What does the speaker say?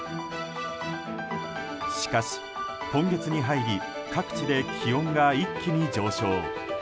しかし、今月に入り各地で気温が一気に上昇。